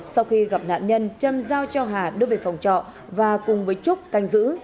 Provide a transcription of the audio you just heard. sau khi gặp nạn nhân trâm giao cho hà đưa về phòng trọ và cùng với trúc canh giữ